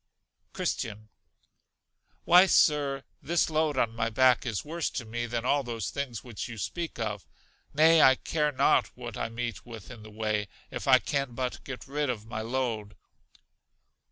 Christian. Why, Sir, this load on my back is worse to me than all those things which you speak of; nay, I care not what I meet with in the way, if I can but get rid of my load.